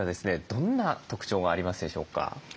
どんな特徴がありますでしょうか？